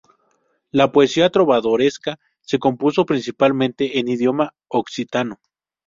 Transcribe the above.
La poesía trovadoresca se compuso principalmente en idioma occitano.